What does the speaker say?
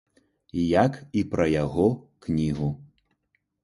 Як і пра яго кнігу.